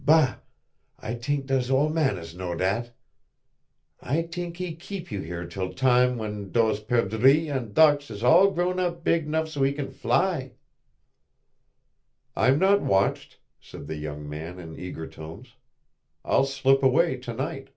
"Bâ, I t'ink does ole man is know dat. I t'ink he kip you here till tam w'en dose perdrix and duck is all grow up beeg' nuff so he can fly." "I'm not watched," said the young man in eager tones; "I'll slip away to night."